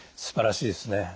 すばらしいですね。